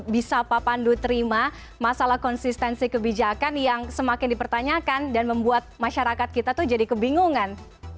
bisa pak pandu terima masalah konsistensi kebijakan yang semakin dipertanyakan dan membuat masyarakat kita tuh jadi kebingungan